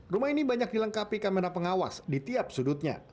rumah ini banyak dilengkapi kamera pengawas di tiap sudutnya